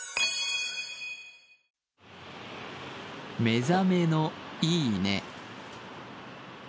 「目覚めのいい音」。